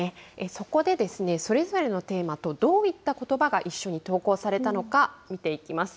そこで、それぞれのテーマとどういったことばが一緒に投稿されたのか、見ていきます。